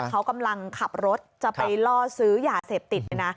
เขากำลังขับรถจะไปล่อซื้อยาเสพติดเลยนะ